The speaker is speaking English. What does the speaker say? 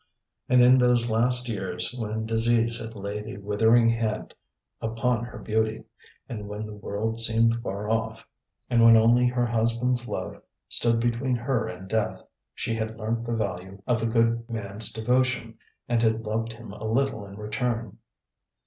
And in those last years, when disease had laid a withering hand upon her beauty, and when the world seemed far off, and when only her husband's love stood between her and death, she had learnt the value of a good man's devotion, and had loved him a little in return.